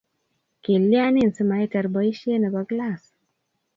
kalianin si maitar boisie nebo klass